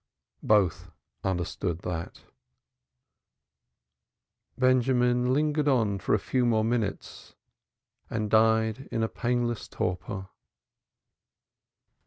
Both understood that. Benjamin lingered on a few more minutes, and died in a painless torpor.